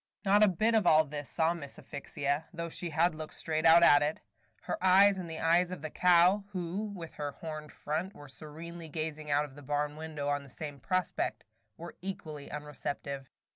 Not a bit of all this saw Miss Asphyxia, though she had looked straight out at it. Her eyes and the eyes of the cow, who, with her horned front, was serenely gazing out of the barn window on the same prospect, were equally unreceptive.